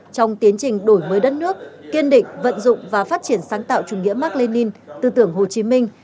trong tiến trình đổi mới đất nước kiên định vận dụng và phát triển sáng tạo chủ nghĩa mạc lê ninh tư tưởng hồ chí minh